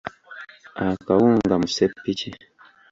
Akawunga mu ssepiki.